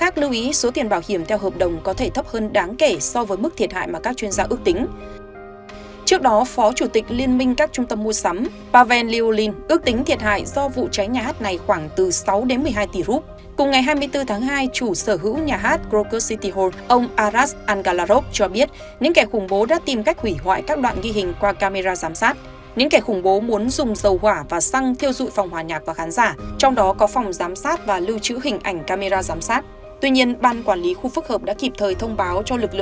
tuy nhiên ban quản lý khu phức hợp đã kịp thời thông báo cho lực lượng cứu hộ nơi lưu sử cơ sở dữ liệu